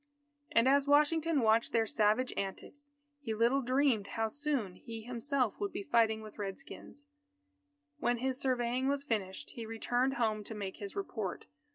And as Washington watched their savage antics, he little dreamed how soon he himself would be fighting with Red Skins. When his surveying was finished, he returned home to make his report.